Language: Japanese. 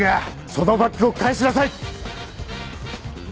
そのバッグを返しなさい！